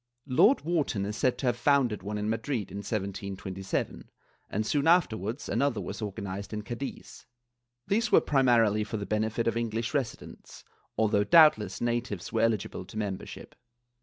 Lord Wharton is said to have founded one in Madrid, in 1727, and soon afterwarcis another was organized in Cadiz. These were primarily for the benefit of English residents, although doubt less natives were eligible to membership.